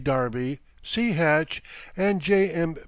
Darby, C. Hatch, and J, M.